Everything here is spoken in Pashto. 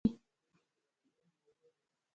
هره ورځ زرګونه سیلانیان اردن ته راځي.